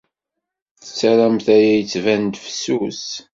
Tettarramt aya yettban-d fessus.